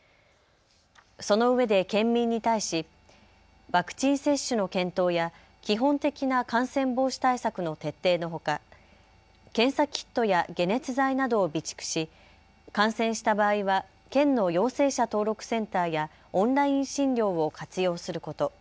そのうえで県民に対しワクチン接種の検討や基本的な感染防止対策の徹底のほか、検査キットや解熱剤などを備蓄し感染した場合は県の陽性者登録センターやオンライン診療を活用すること。